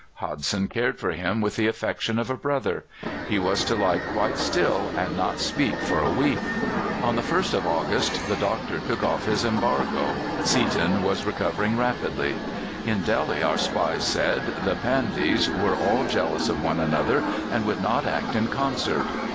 Hodson cared for him with the affection of a brother. He was to lie quite still and not speak for a week. On the 1st of August the doctor took off this embargo Seaton was recovering rapidly. In Delhi, our spies said, the Pandies were all jealous of one another and would not act in concert.